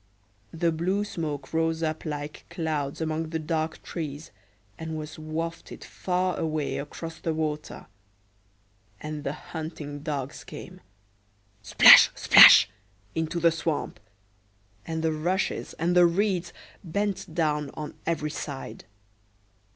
The blue smoke rose up like clouds among the dark trees, and was wafted far away across the water; and the hunting dogs came—splash, splash!—into the swamp, and the rushes and the reeds bent down on every side.